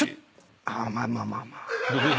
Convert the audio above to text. まあまあまあまあ。